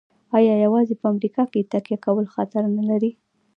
آیا یوازې په امریکا تکیه کول خطر نلري؟